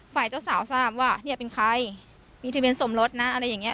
ฝ่ายเจ้าสาวทราบว่าเนี่ยเป็นใครมีทะเบียนสมรสนะอะไรอย่างเงี้